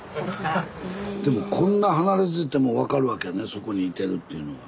そこにいてるっていうのは。